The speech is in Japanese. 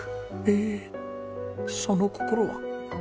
えその心は？